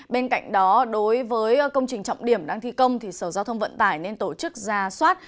bên cạnh đó đối với công trình trọng điểm đang thi công thì sở giao thông vận tải nên tổ chức ra soát